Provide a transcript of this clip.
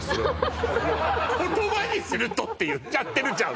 言葉にするとって言っちゃってるじゃん